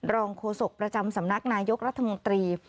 โฆษกประจำสำนักนายกรัฐมนตรี